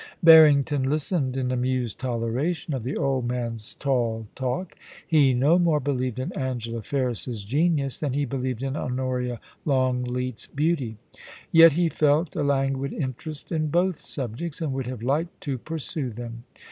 * Barrington listened in amused toleration of the old man's tall talk. He no more believed in Angela Ferris's genius than he believed in Honoria Longleat's beauty ; yet he felt a languid interest in both subjects, and would have liked to pursue them.